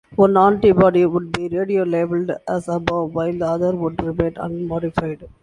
One antibody would be radiolabeled as above while the other would remain unmodified.